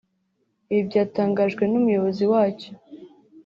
Ibi byatangajwe n’Umuyobozi wacyo